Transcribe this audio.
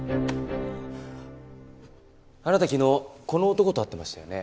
あなた昨日この男と会ってましたよね？